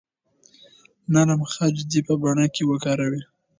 نرم خج دې په بڼه کې وکاروئ.